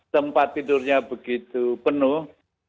tempat tidurnya begitu penuh